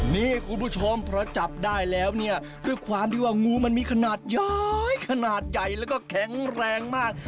นี่คุณผู้ชมพอจับได้แล้วเนี่ยด้วยความที่ว่างูมันมีขนาดใหญ่ขนาดใหญ่แล้วก็แข็งแรงมาก